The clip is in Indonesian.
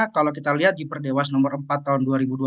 kalau kita lihat di perdewas nomor empat tahun dua ribu dua puluh